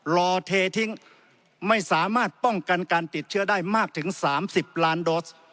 รอเททิ้งไม่สามารถป้องกันการติดเชื้อได้มากถึง๓๐ล้านโดส